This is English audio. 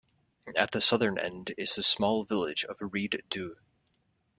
At the southern end is the small village of Rhyd Ddu.